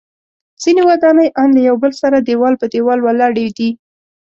ځینې ودانۍ ان له یو بل سره دیوال په دیوال ولاړې دي.